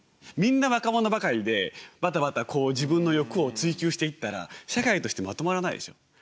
みんな若者ばかりでバタバタこう自分の欲を追求していったら社会としてまとまらないでしょう。